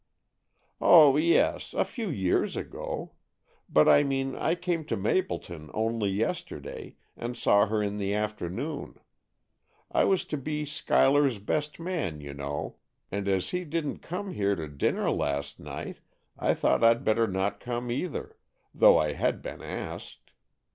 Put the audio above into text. "Oh, yes; a few years ago. But I mean, I came to Mapleton only yesterday, and saw her in the afternoon. I was to be Schuyler's best man, you know, and as he didn't come here to dinner last night, I thought I'd better not come either, though I had been asked.